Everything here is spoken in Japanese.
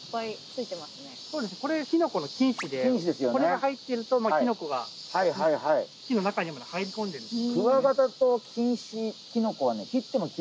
これ、きのこの菌糸で、これが入ってるときのこが木の中に入り込んでいるので。